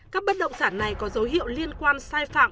các bất động sản này có dấu hiệu liên quan sai phạm